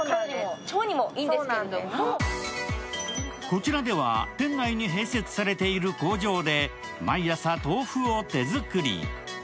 こちらでは店内に併設されている工場で毎朝、豆腐を手作り。